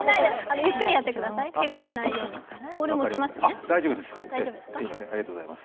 ゆっくりやってくださいね、けがしないようにね。